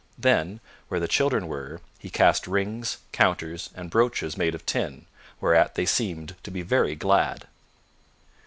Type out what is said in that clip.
Then where the children were he cast rings, counters and brooches made of tin, whereat they seemed to be very glad.